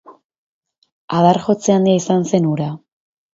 Adar-jotze handia izan zen hura.